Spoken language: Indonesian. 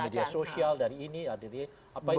bagi media sosial dari ini dari ini